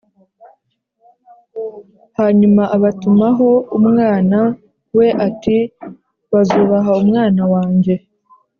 Hanyuma abatumaho umwana we ati ‘Bazubaha umwana wanjye.’